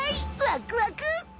ワクワク！